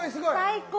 最高。